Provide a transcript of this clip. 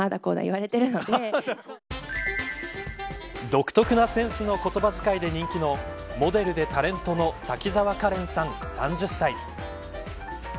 独特なセンスの言葉遣いで人気のモデルでタレントの滝沢カレンさん、３０歳。